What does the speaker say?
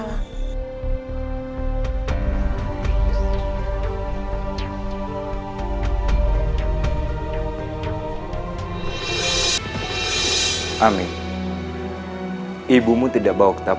dia urusannyausa somanya hangat hangatan